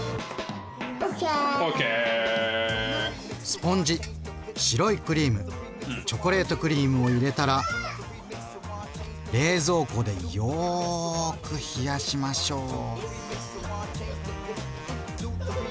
スポンジ白いクリームチョコレートクリームを入れたら冷蔵庫でよく冷やしましょう。